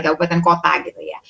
kabupaten kota gitu ya